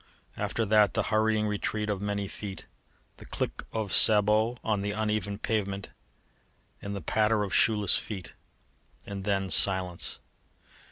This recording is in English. After that the hurrying retreat of many feet, the click of sabots on the uneven pavement and patter of shoeless feet, and then silence.